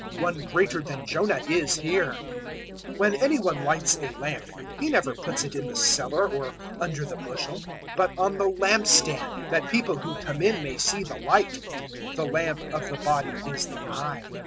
One greater than Jonah is here. 011:033 "When any one lights a lamp, he never puts it in the cellar or under the bushel, but on the lampstand, that people who come in may see the light. 011:034 The lamp of the body is the eye.